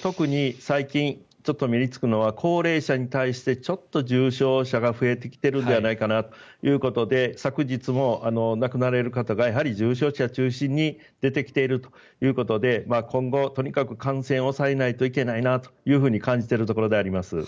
特に最近、ちょっと目につくのは高齢者に対してちょっと重症者が増えてきてるんじゃないかということで昨日も亡くなられる方が重症者中心に出てきているということで今後、とにかく感染を抑えないといけないなと感じているところであります。